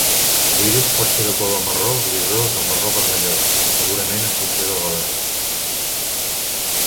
L'iris pot ser de color marró grisós o marró vermellós, segurament en funció de l'edat.